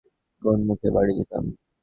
কোন মুখে বাড়ি যেতাম?